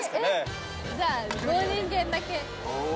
じゃあ棒人間だけ。